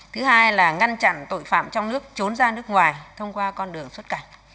thứ hai là ngăn chặn tội phạm trong nước trốn ra nước ngoài thông qua con đường xuất cảnh